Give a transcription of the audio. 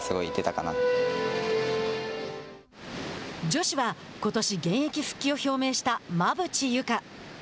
女子は、ことし現役復帰を表明した馬淵優佳。